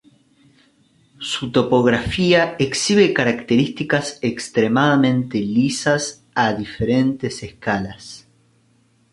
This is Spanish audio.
Su topografía exhibe características extremadamente lisas a diferentes escalas.